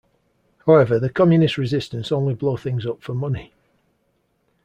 However, the communist resistance only blow things up for money.